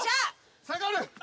下がる。